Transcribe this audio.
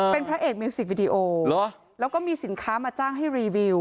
เป็นพระเอกมิวสิกวิดีโอแล้วก็มีสินค้ามาจ้างให้รีวิว